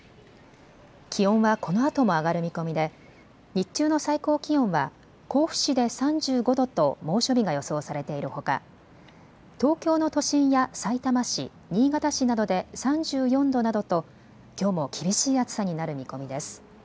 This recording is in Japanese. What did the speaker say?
気温はこのあとも上がる見込みで日中の最高気温は甲府市で３５度と猛暑日が予想されているほか、東京の都心やさいたま市、新潟市などで３４度などときょうも厳しい暑さになる見込みです。